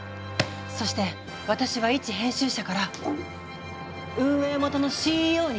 そして私はいち編集者から運営元のＣＥＯに転身する。